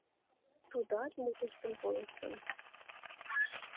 Тудат мутыштым колыштын.